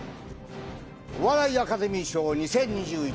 お笑いアカデミー賞２０２１